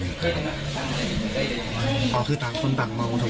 ก่อนหน้าคือไม่ได้ทะเลาะอะไรกัน